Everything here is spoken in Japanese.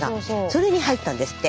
それに入ったんですって。